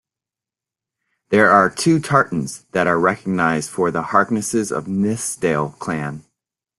There are two tartans that are recognized for the Harknesses of Nithsdale clan.